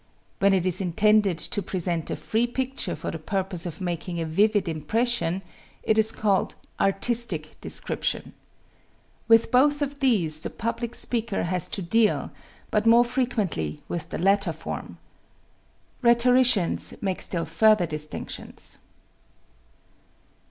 When it is intended to present a free picture for the purpose of making a vivid impression, it is called "artistic description." With both of these the public speaker has to deal, but more frequently with the latter form. Rhetoricians make still further distinctions.